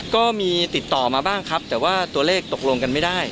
ก็มีติดต่อมาบ้างครับแต่ว่าตัวเลขตกลงกันไม่ได้